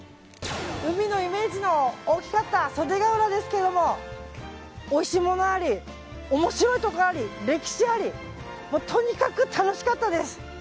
海のイメージの大きかった袖ケ浦ですけどもおいしいものあり面白いところあり、歴史ありもうとにかく楽しかったです。